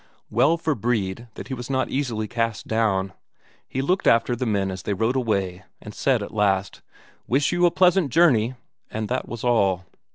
Well for Brede that he was not easily cast down; he looked after the men as they rode away, and said at last: "Wish you a pleasant journey!" And that was all.